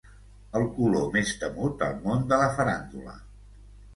El color més temut al món de la faràndula.